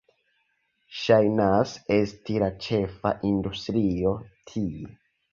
Ŝajnas esti la ĉefa industrio tie.